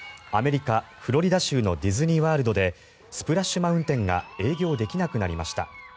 アメリカ・フロリダ州のディズニー・ワールドでスプラッシュ・マウンテンが営業できなくなりました。